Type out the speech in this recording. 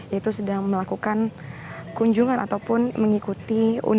yaitu sedang melakukan kunjungan ataupun mengikuti